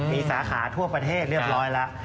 มีสาขาทั่วประเทศเรียบร้อยแล้ว